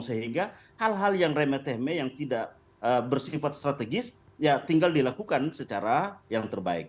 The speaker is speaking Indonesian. sehingga hal hal yang remeh temeh yang tidak bersifat strategis ya tinggal dilakukan secara yang terbaik